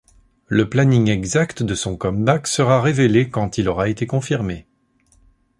Le planning exact de son comeback sera révélé quand il aura été confirmé.